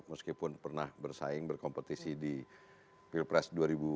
meskipun pernah bersaing berkompetisi di pilpres dua ribu empat belas dua ribu sembilan belas